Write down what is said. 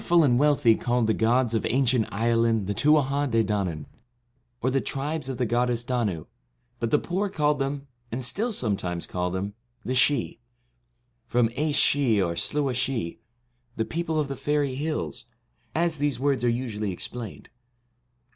The powerful and wealthy called the gods of ancient Ireland the Tuatha De Danaan, or the Tribes of the goddess Danu, but the poor called them, and still sometimes call them, the Sidhe, from Aes Sidhe or Sluagh Sidhe, the people of the Faery Hills, as these words are usually explained.